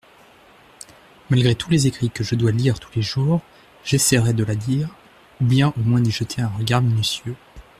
Malgré tous les écrits que je dois lire tous les jours j’essaierai de la lire, ou bien au moins d’y jeter un regard minutieux.